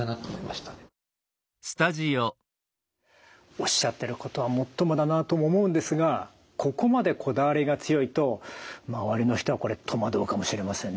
おっしゃってることはもっともだなとも思うんですがここまでこだわりが強いと周りの人はこれ戸惑うかもしれませんね。